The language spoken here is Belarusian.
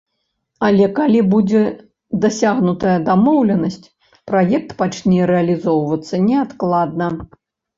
Але калі будзе дасягнутая дамоўленасць, праект пачне рэалізоўвацца неадкладна.